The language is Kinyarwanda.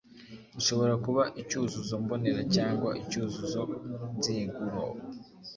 gishobora kuba icyuzuzo mbonera cyangwa icyuzuzo nziguro